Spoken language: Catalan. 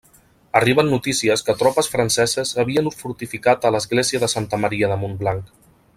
Arriben notícies que tropes franceses s'havien fortificat a l'església de Santa Maria de Montblanc.